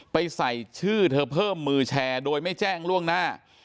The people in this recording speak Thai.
ใส่ชื่อเธอเพิ่มมือแชร์โดยไม่แจ้งล่วงหน้า